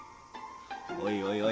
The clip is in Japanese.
おいおいおい。